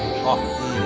いいね。